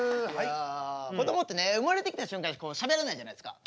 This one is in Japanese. こどもってね生まれてきた瞬間しゃべらないじゃないですか。